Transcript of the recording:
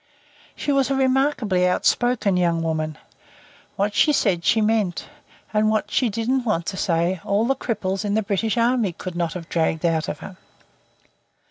She was a remarkably outspoken young woman. What she said she meant, and what she didn't want to say all the cripples in the British Army could not have dragged out of her.